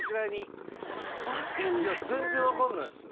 全然分かんないっすよ。